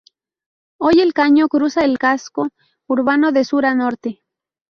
Hoy el caño cruza el casco urbano de sur a norte.